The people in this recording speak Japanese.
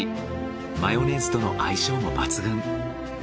マヨネーズとの相性も抜群。